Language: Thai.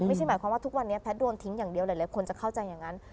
ไม่ใช่หมายความว่าทุกวันนี้แพทย์โดนทิ้งอย่างเดียวหลายคนจะเข้าใจอย่างนั้น